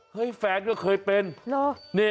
แฟนก็เคยเป็น